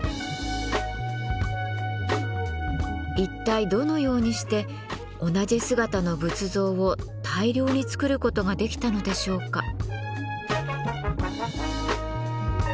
一体どのようにして同じ姿の仏像を大量に造る事ができたのでしょうか？